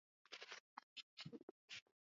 Upele unaowasha